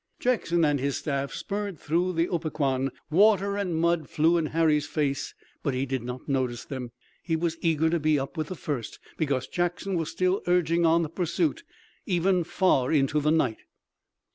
Jackson and his staff spurred through the Opequon. Water and mud flew in Harry's face, but he did not notice them. He was eager to be up with the first, because Jackson was still urging on the pursuit, even far into the night.